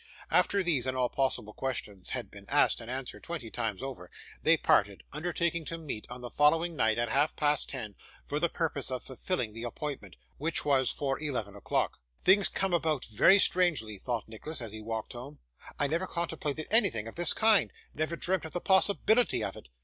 After these and all possible questions had been asked and answered twenty times over, they parted, undertaking to meet on the following night at half past ten, for the purpose of fulfilling the appointment; which was for eleven o'clock. 'Things come about very strangely!' thought Nicholas, as he walked home. 'I never contemplated anything of this kind; never dreamt of the possibility of it.